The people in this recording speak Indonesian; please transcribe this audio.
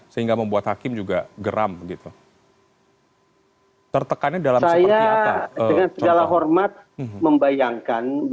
sehingga membuat hakim juga gerak